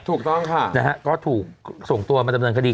ถูกต้องค่ะนะฮะก็ถูกส่งตัวมาดำเนินคดี